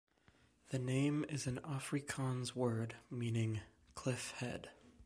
The name is an Afrikaans word meaning cliff head.